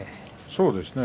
そうですね